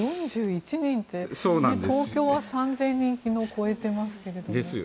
４１人って東京は３０００人を昨日、超えていますけれど。